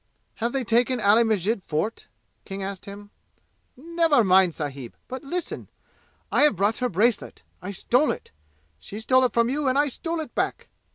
"Have they taken Ali Masjid Fort?" King asked him. "Never mind, sahib, but listen! I have brought her bracelet! I stole it! She stole it from you, and I stole it back!